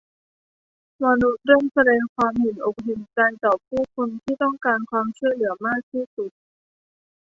มนุษย์เริ่มแสดงความเห็นอกเห็นใจต่อผู้คนที่ต้องการความช่วยเหลือมากที่สุด